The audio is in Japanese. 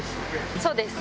そうです。